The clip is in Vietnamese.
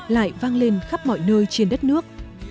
lại vang lên khắp mọi nơi trên đất nước